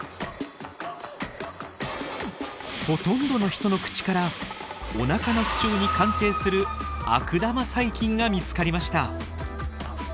ほとんどの人の口からお腹の不調に関係する悪玉細菌が見つかりました。